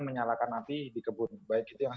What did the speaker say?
menyalakan nanti di kebun baik itu yang